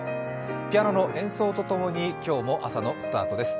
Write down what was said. ピアノの演奏とともに今日も朝のスタートです。